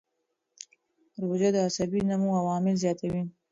روژه د عصبي نمو عوامل زیاتوي.